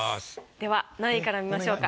では何位から見ましょうか？